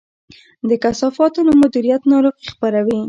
د کثافاتو نه مدیریت ناروغي خپروي.